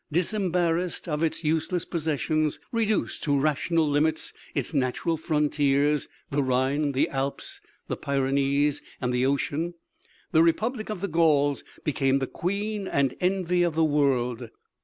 Disembarassed of its useless possessions, reduced to rational limits its natural frontiers the Rhine, the Alps, the Pyrenees and the Ocean the republic of the Gauls became the queen and envy of the world.